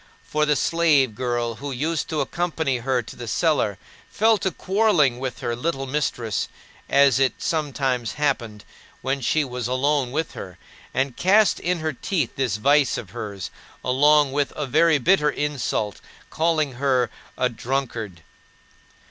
For the slave girl who used to accompany her to the cellar fell to quarreling with her little mistress, as it sometimes happened when she was alone with her, and cast in her teeth this vice of hers, along with a very bitter insult: calling her "a drunkard."